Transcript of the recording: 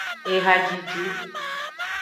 Ehajiji.